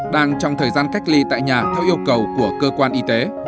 đang trong thời gian cách ly tại nhà theo yêu cầu của cơ quan y tế